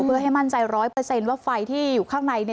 เพื่อให้มั่นใจร้อยเปอร์เซ็นต์ว่าไฟที่อยู่ข้างใน